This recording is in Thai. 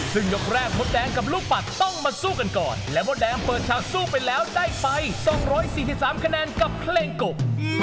ซึ่งยกแรกมดแดงกับลูกปัดต้องมาสู้กันก่อนและมดแดงเปิดฉากสู้ไปแล้วได้ไป๒๔๓คะแนนกับเพลงกบ